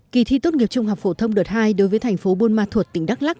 kỳ thi tốt nghiệp trung học phổ thông đợt hai đối với thành phố buôn ma thuột tỉnh đắk lắc